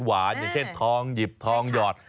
อย่างเช่นทองหยิบทองหยอด